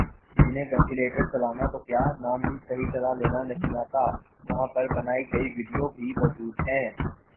جنہیں وینٹیلیٹر چلانا تو کیا نام بھی صحیح طرح لینا نہیں آتا وہاں پر بنائی گئی ویڈیو بھی موجود ہیں